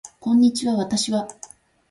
こんにちは私は